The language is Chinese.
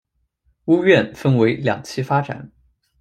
屋苑分为两期发展。